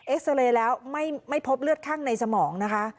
ซาเรย์แล้วไม่พบเลือดข้างในสมองนะคะ